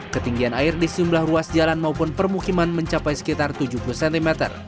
ketinggian air di sejumlah ruas jalan maupun permukiman mencapai sekitar tujuh puluh cm